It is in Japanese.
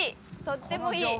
とってもいい。